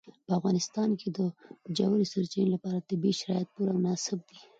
په افغانستان کې د ژورې سرچینې لپاره طبیعي شرایط پوره مناسب دي.